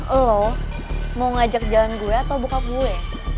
lo mau ngajak jalan gue atau bokap gue